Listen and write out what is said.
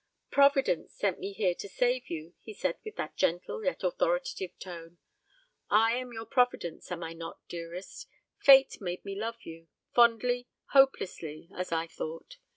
"Providence sent me here to save you," he said, with that gentle yet authoritative tone; "I am your providence, am I not, dearest? Fate made me love you fondly, hopelessly, as I thought.